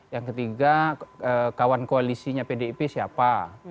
yang ketiga kawan koalisinya pdip siapa